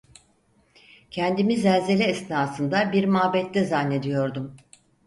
Kendimi zelzele esnasında bir mabette zannediyordum.